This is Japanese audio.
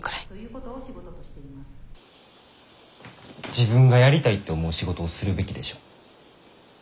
自分がやりたいって思う仕事をするべきでしょ。